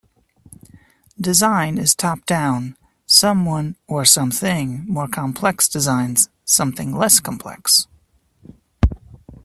Design is top-down, someone or something more complex designs something less complex.